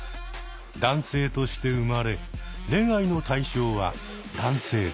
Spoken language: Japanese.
男性として生まれ恋愛の対象は男性です。